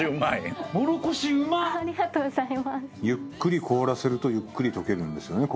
ゆっくり凍らせるとゆっくり解けるんですよね？